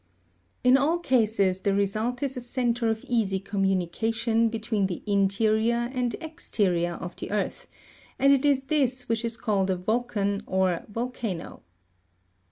In all cases, the result is a centre of easy communication between the interior and exterior of the earth, and it is this which is called a volcan or vol _ Q/S^^^fe cano. Fig.\81. Volcanic conduits.